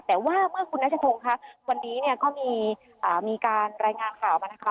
แต่ว่าเมื่อคุณนัชพงศ์ค่ะวันนี้เนี่ยก็มีการรายงานข่าวมานะคะ